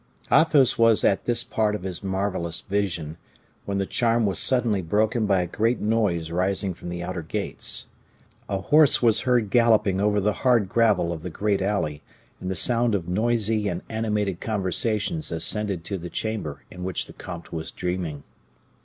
Athos was at this part of his marvelous vision, when the charm was suddenly broken by a great noise rising from the outer gates. A horse was heard galloping over the hard gravel of the great alley, and the sound of noisy and animated conversations ascended to the chamber in which the comte was dreaming.